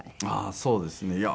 ああーそうですね。